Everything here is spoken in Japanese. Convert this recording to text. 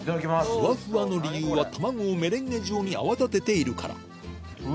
フワフワの理由は卵をメレンゲ状に泡立てているから何？